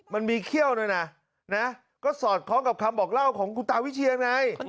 มันมีเขี้ยวด้วยนะก็สอดคล้องกับคำบอกเล่าของคุณตาวิเชียนไง